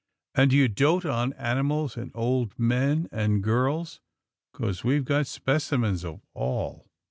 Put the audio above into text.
" And do you dote on animals and old men, and girls — 'cause we've got specimens of all."